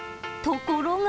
ところが。